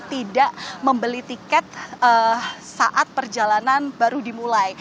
tidak membeli tiket saat perjalanan baru dimulai